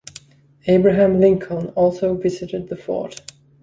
Abraham Lincoln also visited the fort.